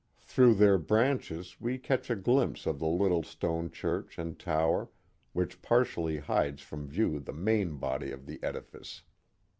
Through their branches we catch a glimpse of the little stone church and tower, which partially hides from view the main body of the edifice.